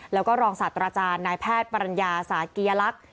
แล้วก็รองศาสตราจารย์นายแพทย์ปรัญญาสากิยลักษณ์